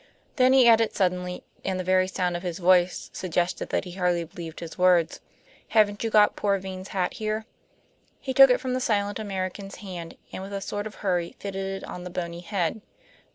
Then he added suddenly, and the very sound of his voice suggested that he hardly believed his own words. "Haven't you got poor Vane's hat there?" He took it from the silent American's hand, and with a sort of hurry fitted it on the bony head.